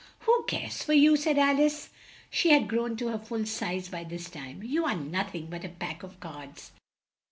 "Who cares for you?" said Al ice. (She had grown to her full size by this time.) "You are noth ing but a pack of cards!"